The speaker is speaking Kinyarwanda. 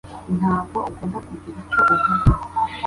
Ntabwo ugomba kugira icyo uvuga